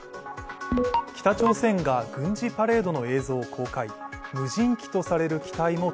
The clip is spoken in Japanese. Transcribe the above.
北朝鮮が軍事パレードの映像を公開。